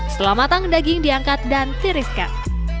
setelah matang daging diangkat dan tiriskan